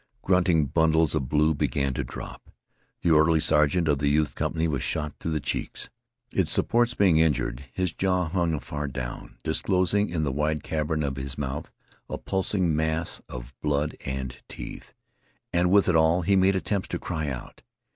Grunting bundles of blue began to drop. The orderly sergeant of the youth's company was shot through the cheeks. Its supports being injured, his jaw hung afar down, disclosing in the wide cavern of his mouth a pulsing mass of blood and teeth. And with it all he made attempts to cry out.